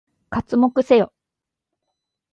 刮目せよ！